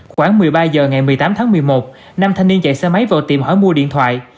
khoảng một mươi ba h ngày một mươi tám tháng một mươi một nam thanh niên chạy xe máy vào tiệm hở mua điện thoại